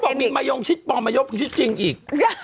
เขาบอกมีมายงชิดปองมายบชิดจริงอีก